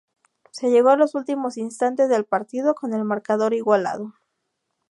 Se llegó a los últimos instantes del partido con el marcador igualado.